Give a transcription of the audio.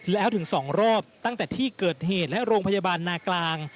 แล้วถึง๒รอบตั้งแต่ที่เกิดเหตุและโรงพยาบาลนากลาง